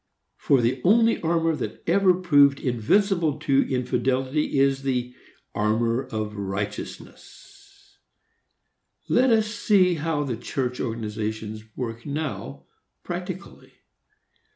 for the only armor that ever proved invincible to infidelity is the armor of righteousness. Let us see how the church organizations work now, practically.